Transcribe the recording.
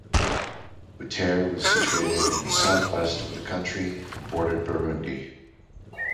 Butare was situated in the south west of the country and bordered Burundi.